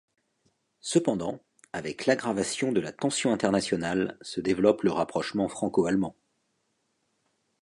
Cependant, avec l'aggravation de la tension internationale se développe le rapprochement franco-allemand.